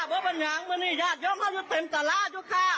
บ๊วยบัญญังมันนี่หลวงตาอยู่เต็มตลาดเลยค่ะ